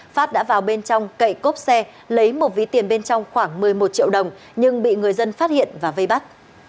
phát đã vào bên trong cậy cốp xe lấy một ví tiền bên trong khoảng một mươi một triệu đồng nhưng bị người dân phát hiện và vây bắt